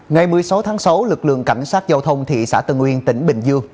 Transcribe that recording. ngày một mươi sáu tháng sáu lực lượng cảnh sát giao thông thị xã tân nguyên tỉnh bình dương